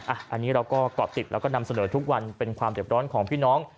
อันนี้เราก็เกาะติดแล้วก็นำเสนอทุกวันเป็นความเจ็บร้อนของพี่น้อง